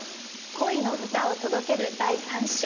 恋の歌を届ける第３週。